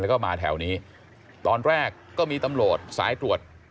แล้วก็มาแถวนี้ตอนแรกก็มีตำรวจสายตรวจ